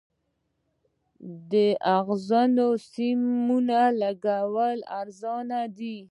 د اغزنو سیمونو لګول ارزانه دي؟